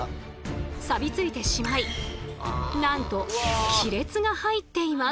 サビ付いてしまいなんと亀裂が入っています。